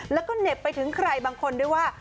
แล้วก็เหน็บไปถึงใครบางคนด้วยว่า